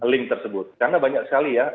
link tersebut karena banyak sekali ya